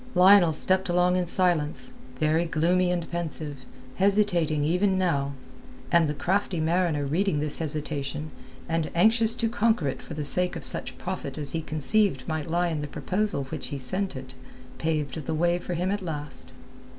Lionel stepped along in silence, very gloomy and pensive, hesitating even now. And the crafty mariner reading this hesitation, and anxious to conquer it for the sake of such profit as he conceived might lie in the proposal which he scented, paved the way for him at last.